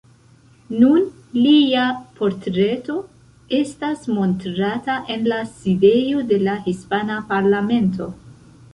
Nun lia portreto estas montrata en la sidejo de la hispana parlamento.